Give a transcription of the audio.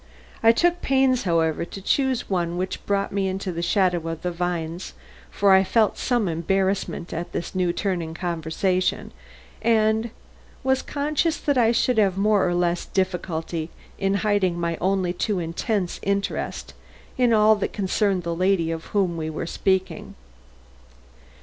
I took pains, however, to choose one which brought me into the shadow of the vines, for I felt some embarrassment at this new turn in the conversation, and was conscious that I should have more or less difficulty in hiding my only too intense interest in all that concerned the lady of whom we were speaking.